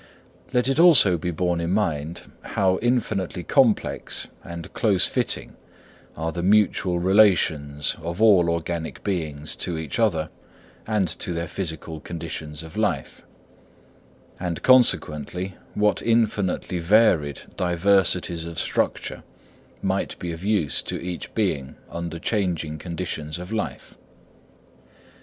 Let it also be borne in mind how infinitely complex and close fitting are the mutual relations of all organic beings to each other and to their physical conditions of life; and consequently what infinitely varied diversities of structure might be of use to each being under changing conditions of life.